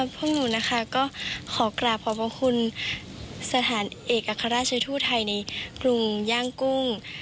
พวกหนูขอกราบขอบคุณสถานเอกอัครราชทุทธัยในกรุงย่างกุ้ง